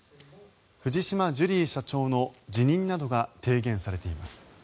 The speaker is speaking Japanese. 藤島ジュリー社長の辞任などが提言されています。